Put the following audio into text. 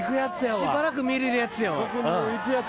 しばらく見れるやつやわ。